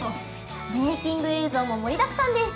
メイキング映像も盛りだくさんです！